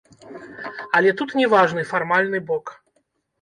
Але тут не важны фармальны бок.